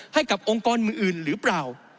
ให้กับองค์กรมืออื่นหรือเปล่า